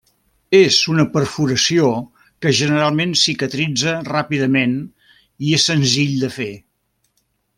És una perforació que generalment cicatritza ràpidament i és senzill de fer.